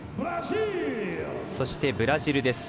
そしてブラジルです。